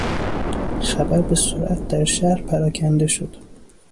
خبر به سرعت در شهر پراکنده شد.